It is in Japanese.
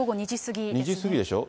２時過ぎでしょ。